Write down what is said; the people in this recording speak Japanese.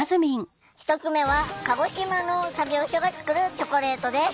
１つ目は鹿児島の作業所が作るチョコレートです。